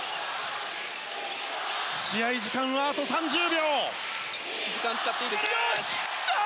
試合時間はあと３０秒。